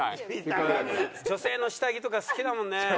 女性の下着とか好きだもんね。